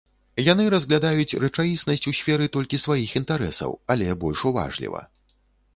Яны разглядаюць рэчаіснасць у сферы толькі сваіх інтарэсаў, але больш уважліва.